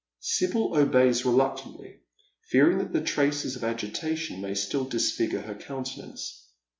Sibyl obeys reluctantly, fearing that the traces of agitation may still disfigure her countenance.